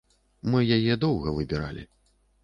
Мы яе доўга выбіралі.